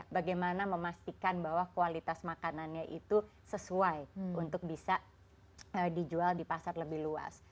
bagaimana memastikan bahwa kualitas makanannya itu sesuai untuk bisa dijual di pasar lebih luas